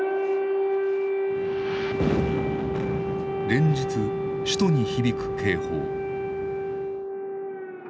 連日首都に響く警報。